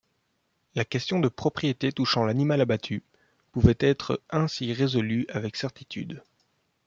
La question de propriété touchant l’animal abattu pouvait être ainsi résolue avec certitude.